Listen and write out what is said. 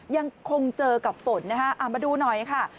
ยังคงเจอกับฝนนะคะเอามาดูหน่อยค่ะ